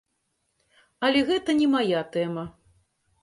Але гэта не мая тэма.